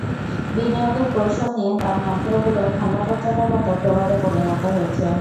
বিনিয়োগের কৌশল নিয়ে তাঁর মন্ত্রগুলো খনার বচনের মতো প্রবাদে পরিণত হয়েছে।